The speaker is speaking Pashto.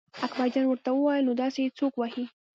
اکبرجان ورته وویل نو داسې یې څوک وهي.